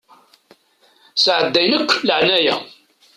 Sɛeddayen akk laɛnaya.